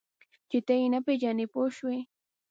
چې ته یې نه پېژنې پوه شوې!.